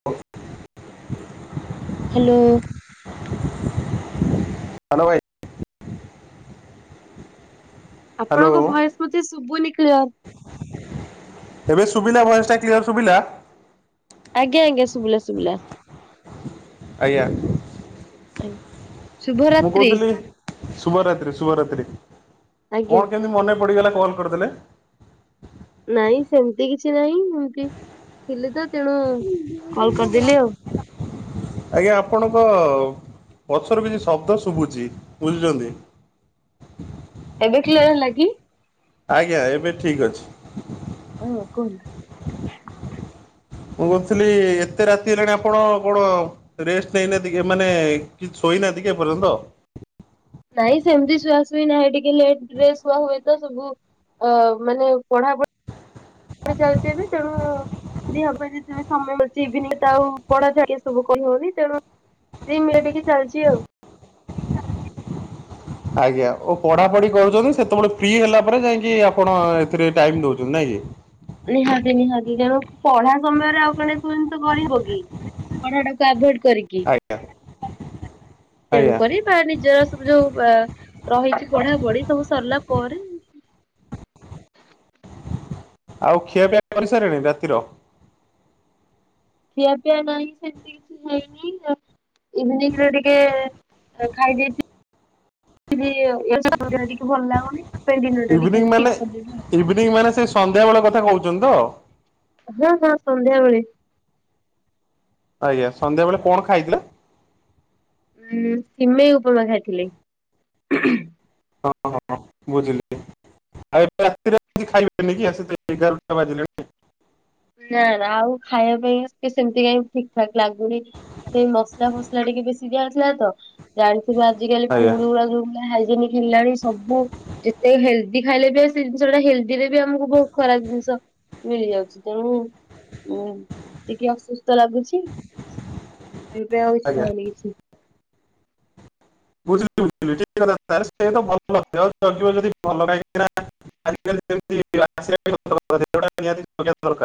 [unintelligible] Hello. ହ [inaudible] hello ଭାଇ। Hello ଆପଣଙ୍କ ଭଏସ୍ ମତେ ଶୁବୁନି କ୍ଲିଅର୍। ଏବେ ଶୁଭିଲା ଭଏସ୍ ଟା କ୍ଲିଅର ଶୁଭିଲା? ଆଜ୍ଞା ଆଜ୍ଞା ଶୁଭିଲା ଶୁଭିଲା। ଆଜ୍ଞା। ଆଁ। ମୁଁ କୋହୁଥିଲି ଶୁଭରାତ୍ରି ଶୁଭରାତ୍ରି ଆଜ୍ଞା କଣ କେମିତି ମନେ ପଡିଗଲା କଲ୍ କରିଦେଲେ। ନାଇଁ ସେମ୍ତି କିଛି ନାହିଁ ଏମ୍ତି ଥିଲି ତ ତେଣୁ କଲ୍ କରିଦେଲି ଆଉ। ଆଜ୍ଞା ଆପଣଙ୍କ ପଛୁରୁ କିଛି ଶବ୍ଦ ଶୁଭୁଛି। ବୁଝୁଚନ୍ତି ଏବେ କ୍ଲିଅର୍ ହେଲା କି? ଆଜ୍ଞା ଏବେ ଠିକ୍ ଅଛି। ହୁଁ କୁହନ୍ତୁ। ମୁଁ କୋହୁଥିଲି ଏତେ ରାତି ହେଲାଣି ଆପଣ କଣ ରେଷ୍ଟ୍ ନେଇନାଆନ୍ତି କି ମାନେ କି ଶୋଇନାହାନ୍ତିିକି ଆପଣ? ନାଇଁ ସେମ୍ତି ସୁୁଆସୁଇ ନାହିଁ ଟିକେ ଲେଟ୍ ରେ ଶୁଆ ହୁଏ। ତ ସବୁ ଅ ମାନେ ପଢାପ ପୁରା ଯାଉଚି ଏବେ ତେଣୁ। ଫ୍ରି ହବ ଯେତେ ବେଳେ ସମୟ‌ ମିଳୁଛି ଇଭିନିଙ୍ଗ ତ ଆଉ ପଢା ଯାକେ ଏ ସବୁ କହି ହଉନି ତେଣୁ ‌। ଫ୍ରି ମେ ଟିକେ ଚାଲିଛି ଆଉ ‌। ଆଜ୍ଞା ଓ ପଢାପଢି କରୁଛନ୍ତି ସେତେବେଳେ ଫ୍ରି ହେଲା ପରେ ଯାଇଁକି ଆପଣ ଏଥିରେ ଟାଇମ ଦଉଛନ୍ତି ନା କି। ନିହାତି ନିହାତି ତେଣୁ ପଢା ସମୟରେ ଆଉ କଣ ଏ ସବୁ ଜିନିଷ କରି ହେବ କି। ପଢା ଟାକୁ ଆଭଏଡ କରିକି ଆଜ୍ଞା ଆଜ୍ଞା ତେଣୁକରି‌। ବା ନିଜର ସବୁ ଯୋଉ ବା ରହିଛି ପଢା ପଢି ସବୁ ସରିଲା ପରେ। ଆଉ ଖିଆ ପିଆ କରି ସାଇଲେଣି ରାତିର। ଖିଆ ପିଆ ନାହିଁ ସେମିତି କିଛି ହେଇନି। ଇଭିନିଂ ରେ ଟିକେ ଖାଇ ଦେଇ‌ ଥି ଲି ଏ ସ ଦେହ ଟା ଟିକେ ଭଲ ଲାଗନି ତ ଡିନର ଟା ସ୍କିପ କରିଦେବି ଆଉ। ଇଭିଙ୍ଗ ମାନେ ସେ ସନ୍ଧ୍ୟା ବେଳେ କଥା କହୁଛନ୍ତି ତ। ହଁ ହଁ ସନ୍ଧ୍ୟା ବେଳେ। ଆଜ୍ଞା ସନ୍ଧ୍ୟା ବେଳେ କଣ ଖାଇଥିଲେ। ହଁ ସିମେଇ ଉପମା ଖାଇ ଥିଲି ‌। ହଁ ହଁ ବୁଝିଲି। ଆଉ ଏବେ ରାତିରେ ଆଉ କିଛି ଖାଇବେନି କି ଆସି ଏଗାର ଟା ବାଜିଲାଣି ‌। ନା ନା ଆଉ ଖାଇବା ପାଇଁ ସେମତି କାଇଁ ଠିକ ଠାକ ଲାଗୁନି। ସେଇ ମସଲା ଫସଲା ଟିକେ ବେଶି ଦିଆହେଇ ଥିଲା ତ। ଜାଣିଥିବ ଆଜିକାଲି ଆଜ୍ଞା ପୁଡ ଗୁଡାକ ଯୋଉ ଭଳିଆ ହାଇଜିନିକ୍ ହେଲାଣି ସବୁ ଯେତେ ହେଲଦି ଖାଇଲେ ବି ଆ ସେ ଜିନିଷ ଗୁଟା ହେଲଦି ରେ ବି ଆମକୁ ବହୁତ ଖରାପ ଜିନିଷ ମିଳିଯାଉଛି। ତେଣୁ ଉଁ ଟିକେ ଅସୁସ୍ଥ ଲାଗୁଛି। ଏବେ ଆଉ ଇଛା ଆଜ୍ଞା ହଉନି କିଛି। ବୁଝିଲି ବୁଝିଲି ଠିକ କଥା ଟା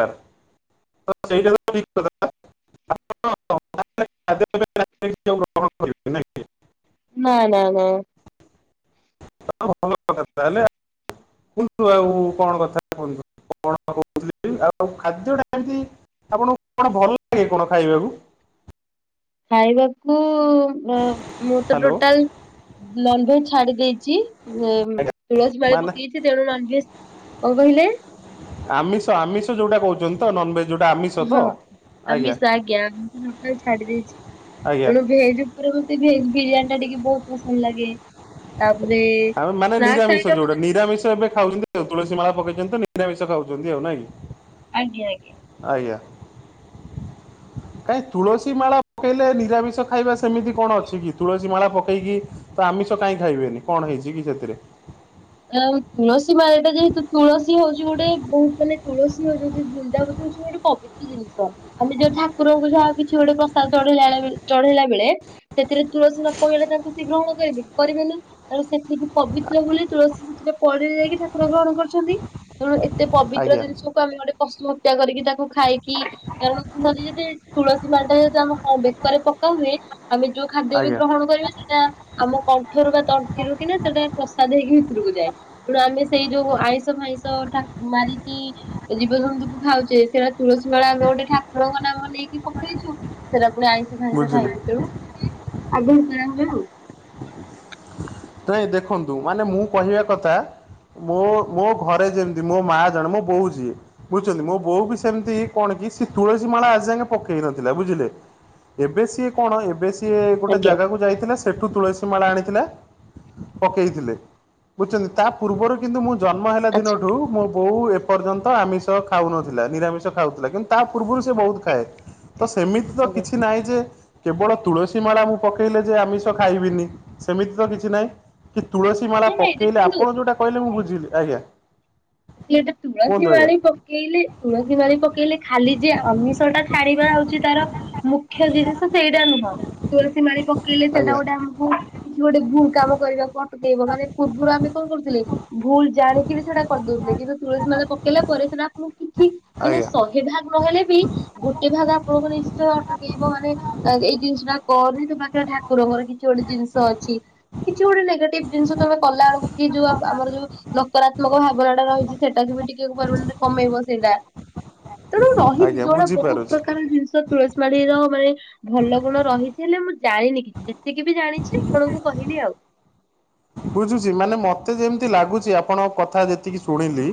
[unintelligible] [unintelligible] ତ ସେଇଟା ତ ଠିକ୍ କଥା ଆପଣ। [unintelligible] ନା ନା ନା। ଆପଣ ଭଲ କଥା ତା ହେଲେ। କୁହନ୍ତୁ ଆଉ କଣ କଥା କୁହନ୍ତୁ କଣ କହୁଥିଲ ଆଉ ଖାଦ୍ୟଟା ଏମିତି। ଆପଣଙ୍କୁ କଣ ଭଲ ଲାଗେ କଣ ଖାଇବାକୁ। ଖାଇବାକୁ ମୁଁ ମୁଁ ତ ହ୍ୟାଲୋ ଟୋଟାଲ। ନନଭେଜ୍ ଛାଡି ଦେଇଛି ଆଜ୍ଞା ତୁଳସୀ ମାଳି ମାନେ ପକେଇ ଛି ତେଣୁ ନନଭେଜ କଣ କହିଲେ। ଆମିଷ ଆମିଷ ଯୋଉଟା କହୁଛନ୍ତି ତ ନନଭେଜ୍ ଯୋଉଟା ଆମିଷ। ତ ହଁ ଆମିଷ ଆଜ୍ଞା ଆମିଷ ଟୋଟାଲ ଛାଡି ଦେଇଛି ଆଜ୍ଞା ତେଣୁ ଭେଜ। ଉପରେ ମତେ ଭେଜ ବିରିୟାନୀ ଟିକେ ବହୁତ ପସନ୍ଦ ଲାଗେ। ତାପରେ ଆଉ ମାନେ ସ୍ନାକ୍ସ ନିରାମିଷ ଆଇଟମ ଯୋଉଟା ନିରାମିଷ ଏବେ ଖାଉଛନ୍ତି। ଯୋଉ ତୁଳସୀ ମାଳା ପକେଇଛନ୍ତି ତ ନିରାମିଷ ଖାଉଛନ୍ତି ଆଉ ନା କି। ଆଜ୍ଞା ଆଜ୍ଞା। ଆଜ୍ଞା। [inaudible] କାଇଁ ତୁଳସୀ ମାଳା ପକେଇଲେ ନିରାମିଷ ଖାଇବା ସେମିତି କଣ ଅଛି କି ତୁଳସୀ ମାଳା ପକେଇକି। ତ ଆମିଷ କାଇଁ ଖାଇବେନି କଣ ହେଇଛି କି ସେଥିରେ। ଆ ତୁଳସୀ ମାଳିଟା ଯେହେତୁ ତୁଳସୀ ହଉଛି ଗୋଟେ ବହୁତ ମାନେ ତୁଳସୀ ହଉଛନ୍ତି ବୃନ୍ଦାବତି ହଉ ଚି ଗୋଟେ ପବିତ୍ର। ଜିନିଷ ଆମେ ଯୋଉ ଠାକୁରଙ୍କୁ ଯାହା କିଛି ଗୋଟେ ପ୍ରସାଦ ଚଢେଇଲା ଚଢେଇଲା ବେଳେ। ସେଥିରେ ତୁଳସୀ ନ ପକେଇଲେ ତାଙ୍କୁ ସେ ଗ୍ରହଣ କରିବେକି କରିବେନି ତ ସେତିକି ପବିତ୍ର ବୋଲି ତୁଳସୀ ‌ ‌। ସେଥିରେ ପଡିଲେ ଯାଇକି ଠାକୁର ଗ୍ରହଣ କରୁଛନ୍ତି ତେଣୁ ଏତେ ପବିତ୍ର ଆଜ୍ଞା ଜିନିଷ। କୁ ଆମେ ଗୋଟେ ପଶୁ ହତ୍ୟା କରିକି ତାକୁ ଖାଇକି। କାରଣ ମଦି ଯଦି ତୁଳସୀ ମାଣ୍ଡା ଯଦି ଆମ କ ବେକରେ ପକା ହୁଏ ଆମେ ଯୋଉ ଖାଦ୍ୟ ବି ଆଜ୍ଞା ଗ୍ରହଣ କରିବେ ସେଟା ଆମ କଣ୍ଠରୁ ବା ତଣ୍ଟିରୁ କିନା ସେଟା ପ୍ରସାଦ ହେଇକି କୁ ଯାଏ ତେଣୁ ଆମେ ସେଇ ଯୋଉ ଆଇଁଷ ଫାଇଁଷା ମାରିକି ଜୀବଜନ୍ତୁ କୁ ଖାଉଛେ ସେଇଟା ତୁଳସୀ ମାଳା ଆମେ ଗୋଟେ ଠାକୁରଙ୍କ ନାମ ନେଇକି ପକେଇଛୁ ସେଟା ପୁଣି ଆଇଁଷ ଫଇଁସ ବୁଝିଲି ଖାଇବୁ ତେଣୁ ଟିକେ ଆଗରୁ କରା ହୁଏ ଆଉ। ନାଇଁ ଦେଖନ୍ତୁ ମାନେ ମୁଁ କହିବା କଥା ମୋ ମୋ ଘରେ ଯେମିତି ମୋ ମା ଜଣେ ମୋ ବୋଉ ିଏ ବୁଝୁଛନ୍ତି ମୋ ବୋଉ ବି ସେମିତି କଣ କି ସେ ତୁଳସୀ ମାଳା ଆଜି ଆେ ପକେଇ ନଥିଲା ବୁଝିଲେ? ଏବେ ସିଏ କଣ ଏବେ ସିଏ ଗୋଟେ ଆଜ୍ଞା ଜାଗାକୁ ଯାଇଥିଲେ ସେଠୁ ତୁଳସୀ ମାଳା ଆଣିଥିଲେ। ପକେଇଥିଲେ ବୁଝଛନ୍ତି ତା ପୂର୍ବରୁ କିନ୍ତୁ ମୁଁ ଜନ୍ମ ହେଲା ଆଚ୍ଛା ଦିନଠୁ ମୋ ବୋଉ ପର୍ଯ୍ୟନ୍ତ ଆମିଷ ଖାଉନଥିଲା ନିରାମିଷ ଖାଉଥିଲା କିନ୍ତୁ ତା ପୂର୍ବରୁ ସେ ବହୁତ ଖାଏ ତ ସେମିତି ତ ଆଜ୍ଞା। କିଛି ନାହିଁ ଯେ କେବଳ ତୁଳସୀ ମାଳା ମୁଁ ପକେଇଲେ ଯେ ଆମିଷ ଖାଇବିନି ସେମିତି ତ କିଛି ନହିଁ। କି ତୁଳସୀ ମାଳା ନାଇଁ ନାଇଁ ପକେଇଲେ ଦେଖନ୍ତୁ ଆପଣ ଯୋଉଟା କହିଲେ ମୁଁ ବୁଝିଲି ଆଜ୍ଞା। ପଟ ତୁଳସସି କୁହନ୍ତୁ ଆଜ୍ଞା। ମାଣି ପକ ବୋଲି। ତୁମ କିମାର ପକେଇଲେ ଖାଲି ଯେ ଅମିଷ ଟା ଛାଡିବା ହଉଛି ତାର। ମୁଖ୍ୟ ଜିନିଷ ସେଇଟା ନୁହଁ ତୁଳସୀ ମାଳି ପକେଇଲେ ସେଇଟା ଆଜ୍ଞା ଗୋଟେ ଆମକୁ କିଛି ଗୋଟେ ଭୁଲ କାମ କରିବାକୁ ଅଟକେଇବ ମାନେ ପୂର୍ବରୁ ଆମେ କଣ କରୁଥିଲେ? ଭୁଲ ଜାଣିକି ବି ସେଇଟା କରିଦଉଛି। କିନ୍ତୁ ତୁଳସୀ ମାଲା ପକେଇଲା ପରେ ସେଟା ଆପଣଙ୍କୁ କିଛି ମାନେ ଆଜ୍ଞା ଶହେ ଭାଗ ନହେଲେ ବି ଗୋଟେ ଭାଗ ଆପଣଙ୍କୁ ନିଶ୍ଚୟ ଅଟକେଇବ ମାନେ ଏଇ ଜିନିଷଟା କରନି ତୋ ପାଖରେ ଠାକୁରଙ୍କର କିଛି ଗୋଟେ ଜିନିଷ ଅଛି। କିଛି ଗୋଟେ ନେଗେଟିଭ ଜିନିଷ ତମେ କଲା ବେକୁ କି ଯୋଉ ଆମର ଯୋଉ ନକାତ୍ମକ ଭାବରେ ରହିଛି ସେଟାକୁ ବି ଟିକେ ପିବନ କମେଇବ ସେଇଟା। ତେଣୁ ରହିଛି ଆଜ୍ଞା ଯୋଉଡା ବହୁତ ବୁଝିପାରୁଛି। ପ୍ରକାର ଜିନିଷ ତୁଳସୀ ମାଢର ମାନେ ଭଲ ଗୁଣ ରହିଛି ହେଲେ ମୁଁ ଜାଣିନି କିଛି ଯେତିକି ବି ଜାଣିଛି ଆପଣଙ୍କୁ କହିଲି ଆଉ। ବୁଝୁଛି ମାନେ ମତେ ଯେମିତି ଲାଗୁଛି ଆପଣ କଥା ଯେତିକି ଶୁଣିଲି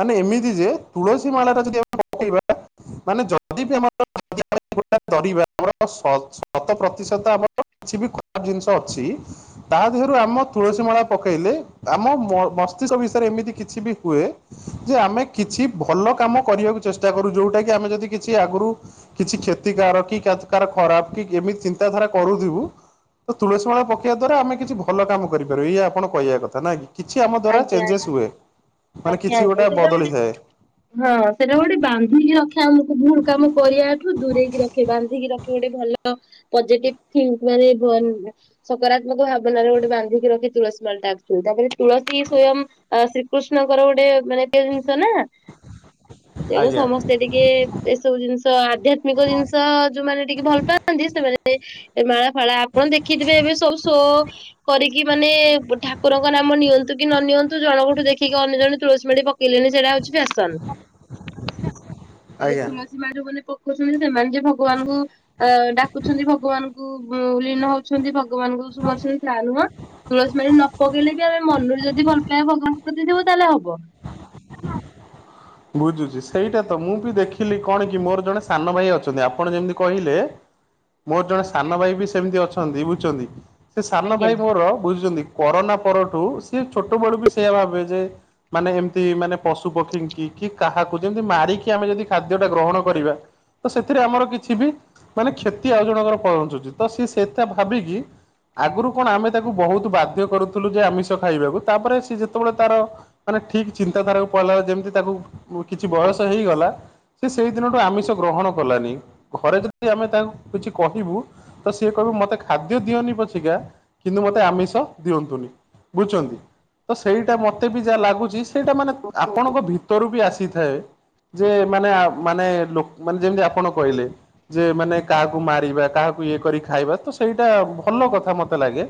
ମାନେ ଏମିତି ଯେ ତୁଳସୀ ମାଳା ଯଦି ଆମେ ପକେଇବା [inaudible] ମାନେ ଯଦି ବି ଆମର [unintelligible] ତରିବା ଆମର ଶତ ପ୍ରତିଶତ ଆମର। [unintelligible] କିଛି ବି ଖରାପ ଜିନିଷ ଅଛି ତା ଦେହରୁ ଆମ। ତୁଳସୀ ମାଳା ପକେଇଲେ ଆମ ମ ମସ୍ତିଷ୍କ ବିଷୟରେ ଏମିତି କିଛି ବି ହୁଏ। ଯେ ଆମେ କିଛି ଭଲ କାମ କରିବାକୁ ଚେଷ୍ଟା କରୁ ଯୋଉଟା କି ଆମେ ଯଦି କିଛି ଆଗୁରୁ କିଛି କ୍ଷତିକାରକ କି କାର ଖରାପ କି ଏମିତି ଚିନ୍ତାଧାରା କରୁଥିବୁ। ତ ତୁଳସୀ ମାଳ ପକେଆ ଦ୍ଵାରା ଆମେ କିଛି ଭଲ କାମ କରିବୁ। [unintelligible] ଆପଣ କହିବା କଥା ନା କି କିଛି ଆମ ଦ୍ଵାରା ଆଜ୍ଞା ଆଜ୍ଞା। ଚେଞ୍ଜେସ ହୁଏ। ମାନେ ଆଜ୍ଞା କିଛି ଆଜ୍ଞା ସେଇଟା ଗୋଟେ ବଦଳିଥାଏ ହଁ ସେଇଟା ଗୋଟେ ବାନ୍ଧିକି ରଖିବା ଆମକୁ ଭୁଲ କାମ କରିବାଠୁ ଦୂରେଇକି ରଖ। ବାନ୍ଧିକି ରଖିବେ ଗୋଟେ ଭଲ ପଜେଟିଭ ଥୀଙ୍କ ମାନେ ଭ ସକାରାତ୍ମକ ଭାବନାରେ ଗୋଟେ ବାନ୍ଧିକି ରଖି ତୁଳସୀ ମାଳାଟାକୁୁ [unintelligible] ତାପରେ ତୁଳସୀ ସ୍ଵୟମ୍ ଶ୍ରୀ କୃଷ୍ଣଙ୍କର ଗୋଟେ ମାନେ [unintelligible] ଜିନିଷ ନା ତେଣୁ ଆଜ୍ଞା ସମସ୍ତେ ଟିକେ ଏସବୁ ଜିନିଷ ଆଧ୍ୟାତ୍ମିକ ଜିନିଷ ଯୋଉମାନେ ଟିକେ ଭଲ ପାଆନ୍ତି ସେମାନେ ମାଳା ଭଳି ଆପଣ ଦେଖିଥିବେ ଏବେ ସବୁ ସୋ କରିକି କି ମାନେ ଠାକୁରଙ୍କ ନାମ ନିଅନ୍ତୁ କି ନ ନିଅନ୍ତୁ ଜଣଙ୍କଠୁ ଦେଖ କି ଅନ୍ୟ ଜଣେ ତୁଳସୀ ମାଳି ପକେଇଲେଣି ସେଇଟା ହଉଛି ଫ୍ୟାସନ। ଖାଲି ଆଜ୍ଞା ତୁଳସୀ ମାଳି ଯୋଉମାନେ ପକଉଛନ୍ତି ସେମାନେ ଯେ ଭଗବାନଙ୍କୁ ଅ ଡାକୁଛନ୍ତି ଭଗବାନଙ୍କୁ ଲୀନ ହଉଛନ୍ତି ଭଗବାନଙ୍କୁ ସୁମର ସେ ତା ନୁହଁ ତୁଳସୀ ମାଳି ନ ପକେଇଲେ ବି ଆମେ ମନରୁ ଯଦି ଭଲ ପାଇବା ଭଗବାନଙ୍କ ପ୍ରତି ଥିବ ତାହେଲେ ହବ। ବୁଝୁଛି ସେଇଟା ତ ମୁଁ ବି ଦେଖିଲି କଣ କି ମୋର ଜଣେ ସାନ ଭାଇ ଅଛନ୍ତି ଆପଣ ଯେମିତି କହିଲେ ମୋର ଜଣେ ସାନ ଭାଇ ବି ସେମିତି ଅଛନ୍ତି। ବୁଝୁଛନ୍ତି, ସେ ସାନ ଆଜ୍ଞା। ଭାଇ ମୋର ବୁଝୁଚନ୍ତି କରୋନା ପରଠୁ ସିଏ ଛୋଟବେଳୁ ବି ସେୟା ଭାବେ ଯେ ମାନେ ଏମିତି ମାନେ ପଶୁ ପକ୍ଷୀଙ୍କି କି କାହାକୁ ଯେମିତି ମାରିକି ଆମେ ଯଦି ଖାଦ୍ୟଟା ଗ୍ରହଣ କରିବା ତ ସେଥିରେ ଆମର କିଛି ବି ମାନେ କ୍ଷତି ଆଉ ଜଣଙ୍କର ପହଞ୍ଚୁଚି। ତ ସିଏ ସେଟା ଭାବିକି ଆଗରୁ କଣ ଆମେ ତାକୁ ବହୁତ ବାଧ୍ୟ କରୁଥୁଲୁ ଯେ ଆମିଷ ଖାଇବାକୁ। ତାପରେ ସିଏ ଯେତେବେଳେ ତାର ମାନେ ଠିକି ଚିନ୍ତାଧାରାକୁ ପଡିଲା। ଯେମିତି ତାକୁ ଉ, କିଛି ବୟସ ହେଇଗଲା ସେ ସେଇଦିନଠୁ ଆମିଷ ଗ୍ରହଣ କଲାନି। ଘରେ ଯଦି ଆମେ ତାକୁ କିଛି କହିବୁ ତ ସିଏ କହିବ ମୋତେ ଖାଦ୍ୟ ଦିଅନି ପଛିିକା, କିନ୍ତୁ ମୋତେ ଆମିଷ ଦିଅନ୍ତୁନି। ବୁଝୁଚନ୍ତି, ତ ସେଇଟା ମୋତେ ବି ଯା ଲାଗୁଚି ସେଇଟା ମାନେ ଆପଣଙ୍କ ଭି ତରୁ ବି ଆସିଥାଏ। ଯେ ମାନେ ଆ, ମାନେ ଲୋ- ମାନେ ଯେମିତି ଆପଣ କହିଲେ। ଯେ ମାନେ କାହାକୁ ମାରିବା, କାହାକୁ ଇଏ କରି ଖାଇବା, ତ ସେଇଟା ଭଲ କଥା ମୋତେ ଲାଗେ।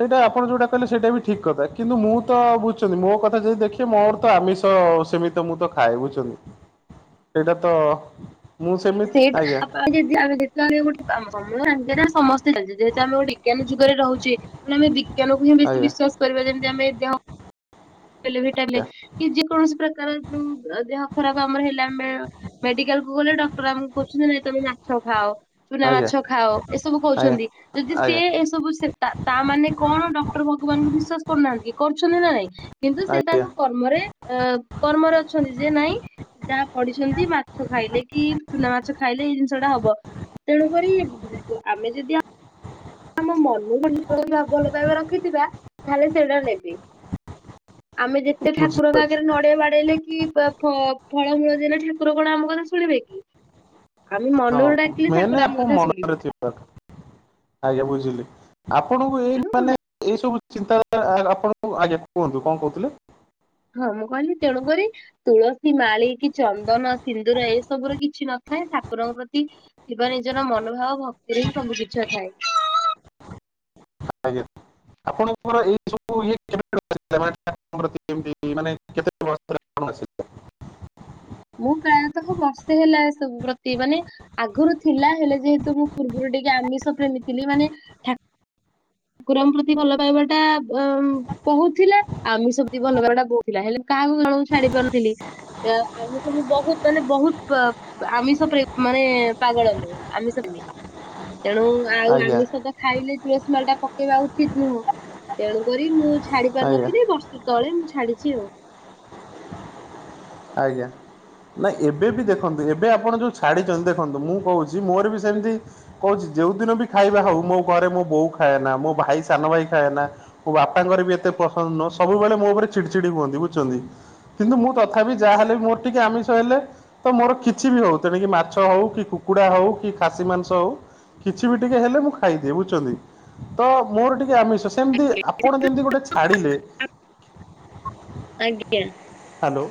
ସେଇଟା ଆପଣ ଯୋଉଟା କହିଲେ ସେଟା ବି ଠିକ କଥା। କିନ୍ତୁ ମୁଁ ତ ବୁଝୁଛନ୍ତି, ମୋ କ ଥା ଯଦି ଦେଖିବେ ମୋର ତ ଆମିଷ ସେମିତି ତ ମୁଁ ତ ଖାଏ। ବୁଝୁଛନ୍ତି। ଏଇଟା ତ ମୁଁ ସେମିତି ସେଇଟା ଆଜ୍ଞା ଆପଣ ଯଦି ଆମେ [unintelligible] ଯାହା ହେଲେ ଗୋଟେ କାମ ସମୂଳରେ ଆଗେରେ ଆମେ ସମସ୍ତେ ଚାଲିଚେ। ଯେହେତୁ ଆମେ ଗୋଟେ ବିଜ୍ଞାନ ଯୁଗରେ ରହୁଚେ। ତ ଆମେ ବି ଜ୍ଞାନକୁ ହିଁ ବେଶୀ ଆଜ୍ଞା ବିଶ୍ଵାସ କରିବା। ଯେମିତି ଆମେ ଦେହ [inaudible] ହେଲେ ଭି ଟେବଲେ କି ଯେ କୌଣସି ପ୍ରକାର ଯୋଉ ଅ, ଦେହ ଖରାପ ଆମର ହେଲା ମେ- ମେଡିକାଲ କୁ ଗଲେ ଡ କହୁଛନ୍ତି ନା ନାଇଁ ତୋମେ ମାଛ ଖାଅ। ଚୁନା ଆଜ୍ଞା ଆଜ୍ଞା ମାଛ ଖାଅ, ଏସବୁ ଆଜ୍ଞା। କହୁଛନ୍ତି ଯଦି ଆଜ୍ଞା ସିଏ ଏସବୁ ସେ ତା ତାମାନେ କଣ ଡକ୍ଟର୍ ଭଗବାନଙ୍କୁ ବିଶ୍ୱାସ କରୁନାହାନ୍ତି କରୁଛନ୍ତି ନା ନାଇଁ। କିନ୍ତୁ ସେ ଆଜ୍ଞା ତାଙ୍କ କର୍ମରେ ଅ, କର୍ମରେ ଅଛନ୍ତି ଯେ ନାଇଁ ଯାହା ପଡ଼ିଛନ୍ତି ମାଛ ଖାଇଲେ କି ଚୁନା ମାଛ ଖାଇଲେ ଏଇ ଜିନିଷ ଟା ହବ। ତେଣୁକରି ଆମେ ଯଦି ଆ ଆମ ମନୁ [inaudible] ଭଲ ପାଇବା ରଖିଥିବା ତାହେଲେ ସେଇଟା ନେବେ। ଆମେ ଯେତେ ଠାକୁରଙ୍କ ବୁଝିପାରୁଛି ଆଗେରେ ନଡ଼ିଆ ବାଡେଇଲେ କି ପା ଫ- ଫଳମୂଳ ଦେଲେ ଠାକୁର କଣ ଆମ କଥା ଶୁଣିବେ କି? ଆମେ ମନରୁ ହଁ ଡାକିଲେ ମେନେ ଠାକୁର ଆମ ଆପଣ କଥା ଶୁଣିବେ। [inaudible] ଆଜ୍ଞା ବୁଝିଲି, ଆପଣଙ୍କୁ ଏଇ ତେଣୁ ମାନେ ଏଇ ସବୁ ଚିନ୍ତା ଧାରା ଆପଣଙ୍କୁ, ଆଜ୍ଞା କୁହନ୍ତୁ କଣ କହୁଥିଲେ? ହଁ ମୁଁ କହିଲି ତେଣୁକରି ତୁଳସୀ ମାଳି କି ଚନ୍ଦନ, ସିନ୍ଦୁର ଏ ସବୁର କିଛି ନଥାଏ। ଠାକୁରଙ୍କ ପ୍ରତି ଥିବା ନିଜର ମନୋଭାବ ଭକ୍ତିରେ ହିଁ ସବୁ କିଛି ଥାଏ। ଆଜ୍ଞା ଆପଣଙ୍କର ଏଇ ସବୁ ଇଏ କେବେଠାରୁ ଆସି ଲା ମାନେ ଠାକୁରଙ୍କ [inaudible] ଇ, ମାନେ କେତେ ବର୍ଷ ପରେ ଆପଣ ଆସିଲେ ମୁଁ ପ୍ରାୟତଃ ବର୍ଷେ ହେଲା ଏ ସବୁ ପ୍ରତି ମାନେ ଆଗରୁ ଥିଲା ହେଲେ ଯେହେତୁ ମୁଁ ପୂର୍ବରୁ ଟିକେ ଆମିଷ ପ୍ରେମୀ ଥିଲି। ମାନେ ଠା ଠାକୁରଙ୍କ ପ୍ରତି ଭଲ ପାଇବା ଟା ଅ, କହୁଥିଲା। ଆମିଷ ପ୍ରତି ଭଲ ପାଇବା ଟା ବହୁ ଥିଲା। ହେଲେ ମୁଁ କାହାକୁ ଜଣଙ୍କୁ ଛାଡ଼ି ପାରୁନଥିଲି। ଏ ଆମିଷ ମୁଁ ବହୁତ ମାନେ ବହୁତ ପ- ଆମିଷ ପ୍ରେ ମାନେ ପାଗଳ ମୁଁ। ଆମିଷ ପେମି। ତେଣୁ ଆଉ ଆଜ୍ଞା ଆମିଷ ତ ଖାଇଲେ ତୁଳସୀ ମାଳ ଟା ପକେଇବା ଉଚିତ ନୁହଁ। ତେଣୁ କରି ମୁଁ ଛାଡି ଆଜ୍ଞା ପାରୁନଥିଲି ବର୍ଷେ ତଳେ ମୁଁ ଛାଡିଛି ଆଉ। ଆଜ୍ଞା। ନା ଏବେ ବି ଦେଖନ୍ତୁ ଏବେ ଆପଣ ଯୋଉ ଛାଡ଼ିଚନ୍ତି। ଦେଖନ୍ତୁ ମୁଁ କହୁଛି ମୋର ବି ସେମତି କହୁଚି ଯେଉ ଦିନ ବି ଖାଇବା ହଉ ମୋ ଘରେ ମୋ ବୋଉ ଖାଏନା। ମୋ ଭାଇ ସାନ ଭାଇ ଖାଏନା। ମୋ ବାପାଙ୍କର ବି ଏତେ ପସନ୍ଦ ନୁହଁ। ସବୁବେଳେ ମୋ ଘରେ ଚିଡ୍ ଚିଡ୍ ହୁଅନ୍ତି ବୁଝୁଛନ୍ତି। କିନ୍ତୁ ମୁଁ ତ ତଥାବି ଯାହାହେଲେ ମୋର ଟିକେ ଆମିଷ ହେଲେ ତ ମୋର କିଛି ବି ହୋଉ ତେଣିକି ମାଛ ହୋଉ କି କୁକୁଡ଼ା ହୋଉ କି ଖାସି ମାଂସ ହୋଉ। କିଛି ବି ଟିକେ ହେଲେ ମୁଁ ଖାଇଦିଏ ବୁଜଚନ୍ତି। ତ ମୋର ଟିକେ ଆମିଷ। ସେମତି ଆପଣ ଯେମିତି ଗୋଟେ ଛାଡିଲେ ଆଜ୍ଞା। ହାଲୋ।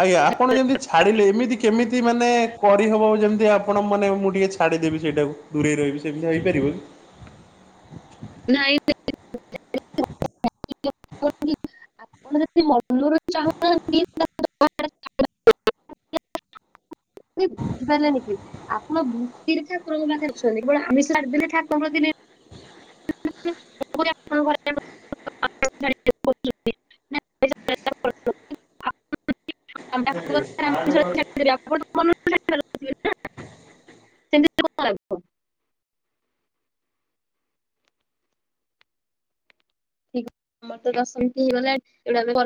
ଆଜ୍ଞା ଆପଣ ଯେମତି ଛାଡିଲେ ଏମିତି କେ ମିତି ମାନେ କରିହବ ଯେମତି ଆପଣ ମାନେ ମୁଁ ଟିକିେ ଛାଡିଦେବି ସେଇଟାକୁ ଦୂରେଇ ରହିବି ସେମତି ହେଇପାରିବ କି? ନାଇଁ ସେ [unintelligible] ଆପଣ ଯଦି ମନୁରୁ ଚାହୁଁ ନାହାଁ [unintelligible] ବୁଝିପାଇଲେନି କି? ଆପଣ ଭିତିରି ଠାକୁରଙ୍କ ପାଖେ ଅଛନ୍ତି। କେବଳ ଆମିଷ ଛାଡିଦେଲେ ଠାକୁରଙ୍କ ପ୍ରତି ନେ [unintelligible] ପ୍ରତି [unintelligible] ଆପଣ ମନରୁ [unintelligible] ନା। ସେମିତିରେ କଣ ଲାଭ। [unintelligible] ଠିକ୍ ଆମର ତ ଦଶ ମିନ୍ଟି ହେଇଗଲା ଏଇଗୁଡା [unintelligible]